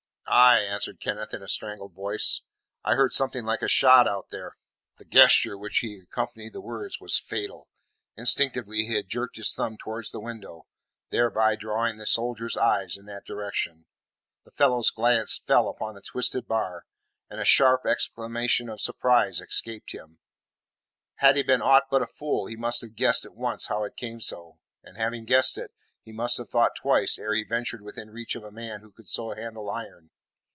"Aye," answered Kenneth, in a strangled voice, "I heard something like a shot out there." The gesture with which he accompanied the words was fatal. Instinctively he had jerked his thumb towards the window, thereby drawing the soldier's eyes in that direction. The fellow's glance fell upon the twisted bar, and a sharp exclamation of surprise escaped him. Had he been aught but a fool he must have guessed at once how it came so, and having guessed it, he must have thought twice ere he ventured within reach of a man who could so handle iron.